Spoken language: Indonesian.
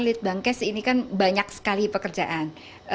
di kemkes ini kan banyak sekali pekerjaan